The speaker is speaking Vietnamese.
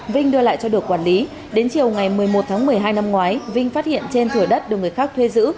vinh đưa lại cho được quản lý đến chiều ngày một mươi một tháng một mươi hai năm ngoái vinh phát hiện trên thửa đất được người khác thuê giữ